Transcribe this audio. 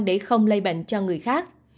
để không lây bệnh cho người khác